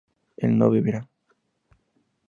él no beberá